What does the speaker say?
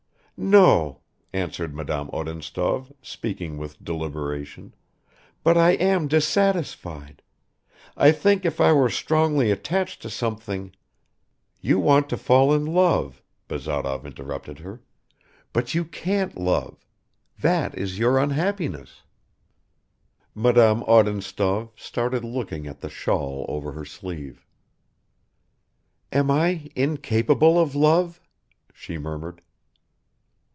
"No," answered Madame Odintsov, speaking with deliberation, "but I am dissatisfied. I think if I were strongly attached to something ..." "You want to fall in love," Bazarov interrupted her, "but you can't love. That is your unhappiness." Madame Odintsov started looking at the shawl over her sleeve. "Am I incapable of love?" she murmured.